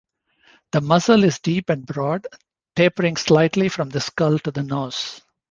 The muzzle is deep and broad, tapering slightly from the skull to the nose.